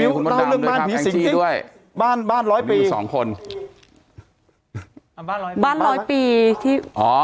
คุณมิวคุณบ้านพี่สิงห์ด้วยบ้านบ้านร้อยปีสองคนบ้านร้อยปีบ้านร้อยปีที่อ๋อ